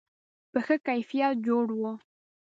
په ښه کیفیت جوړ و.